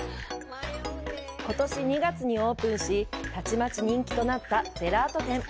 ことし２月にオープンし、たちまち人気となったジェラート店。